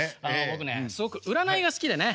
僕ねすごく占いが好きでね。